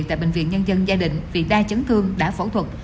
tại bệnh viện nhân dân gia đình vì đa chấn thương đã phẫu thuật